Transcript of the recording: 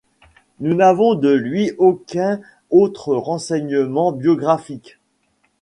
Nous n'avons de lui aucun autre renseignement biographique.